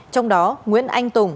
trong đó nguyễn anh tùng